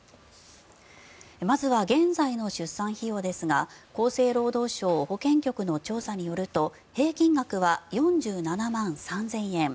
まずは、現在の出産費用ですが厚生労働省保険局の調査によると平均額は４７万３０００円。